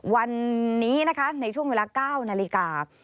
วันนี้นะคะในช่วงเวลา๙นาฬิกา